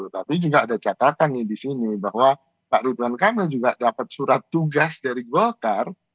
tapi juga ada catatan nih di sini bahwa pak ridwan kamil juga dapat surat tugas dari golkar